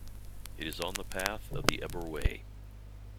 It is on the path of the Ebor Way.